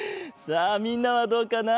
さあみんなはどうかな？